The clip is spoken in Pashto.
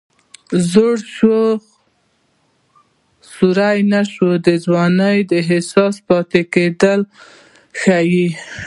زوړ شو خو سوړ نه شو د ځوانۍ د احساساتو پاتې کېدل ښيي